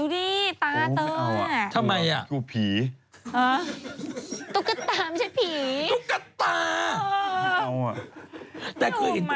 ดูดิตราเตอะ